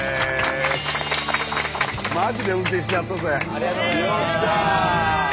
ありがとうございます！